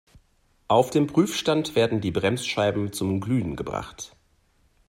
Auf dem Prüfstand werden die Bremsscheiben zum Glühen gebracht.